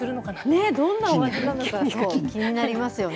ねえ、どんなお味なのか、ちょっと気になりますよね。